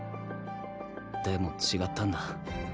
でも違ったんだ。